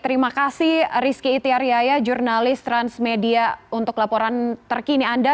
terima kasih rizky itiar yaya jurnalis transmedia untuk laporan terkini anda